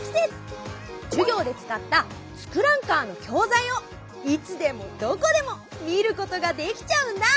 授業で使った「ツクランカー」の教材をいつでもどこでも見ることができちゃうんだ！